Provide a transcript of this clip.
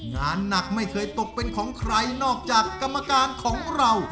งานหนักไม่เคยตกเป็นของใครนอกจากกรรมการของเรา